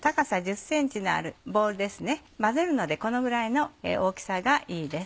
混ぜるのでこのぐらいの大きさがいいです。